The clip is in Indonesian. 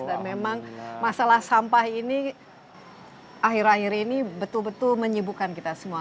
dan memang masalah sampah ini akhir akhir ini betul betul menyebubkan kita semua